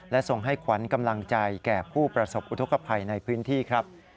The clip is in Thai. และส่งให้ขวัญกำลังใจแก่ผู้ประสบอุทธกภัยในพื้นที่ครับ